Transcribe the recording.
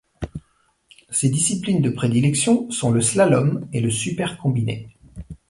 Ses disciplines de prédilection sont le slalom et le super combiné.